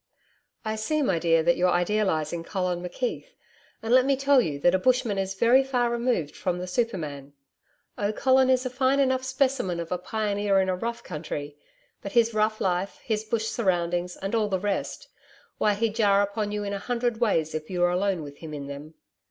'I see, my dear, that you're idealising Colin McKeith, and let me tell you that a bushman is very far removed from the super man. Oh, Colin is a fine enough specimen of a pioneer in a rough country. But his rough life, his bush surroundings, and all the rest why, he'd jar upon you in a hundred ways if you were alone with him in them.